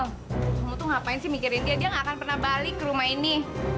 kamu tuh ngapain sih mikirin dia dia nggak akan pernah balik ke rumah ini